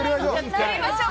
作りましょう！